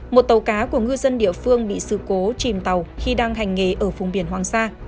một tàu cá của ngư dân địa phương bị sự cố chìm tàu khi đang hành nghề ở vùng biển hoàng sa